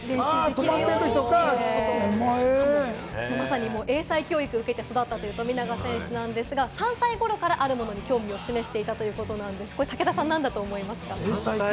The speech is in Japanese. まさに英才教育を受けて育ったということですが、３歳頃からあるものに興味を示していたんですけれども、武田さん、なんだと思いますか？